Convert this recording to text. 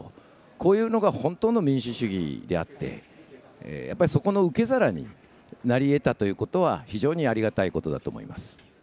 こういうのが本当の民主主義であって、やっぱり、そこの受け皿になりえたということは、非常にありがたいことだと思います。